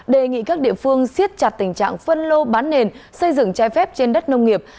đề nghị các địa phương siết chặt tình trạng phân lô bán nền xây dựng trái phép trên đất nông nghiệp